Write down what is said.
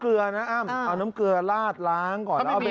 แล้วก็ไม่ได้ล้วงใส่ได้เลยอ่ะอ๋อ